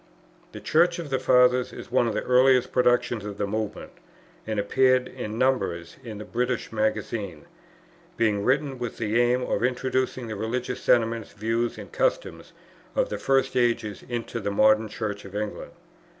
The Church of the Fathers is one of the earliest productions of the Movement, and appeared in numbers in the British Magazine, being written with the aim of introducing the religious sentiments, views, and customs of the first ages into the modern Church of England.